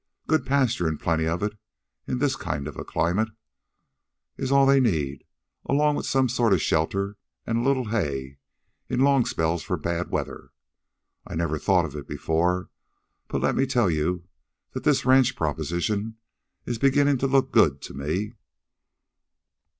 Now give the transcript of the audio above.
Good pasture an' plenty of it, in this kind of a climate, is all they need, along with some sort of shelter an' a little hay in long spells of bad weather. I never thought of it before, but let me tell you that this ranch proposition is beginnin' to look good to ME."